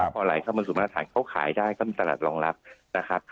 พอไหลเข้ามาสู่มาตรฐานเขาขายได้ก็มีตลาดรองรับนะครับ